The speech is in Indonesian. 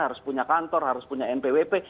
harus punya kantor harus punya npwp